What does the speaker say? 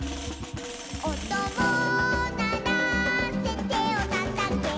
「おとをならせてをたたけ」